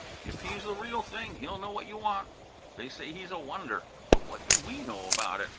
If he's the real thing he'll know what you want. They say he's a wonder, but what do we know about it?